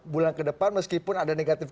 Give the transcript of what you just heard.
bulan ke depan meskipun ada negatif